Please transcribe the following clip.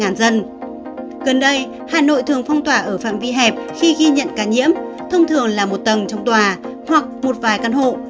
gần đây hà nội thường phong tỏa ở phạm vi hẹp khi ghi nhận ca nhiễm thông thường là một tầng trong tòa hoặc một vài căn hộ